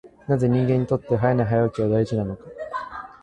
なぜ人間にとって早寝早起きは大事なのか。